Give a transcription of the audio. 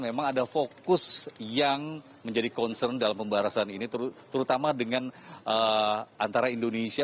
memang ada fokus yang menjadi concern dalam pembahasan ini terutama dengan antara indonesia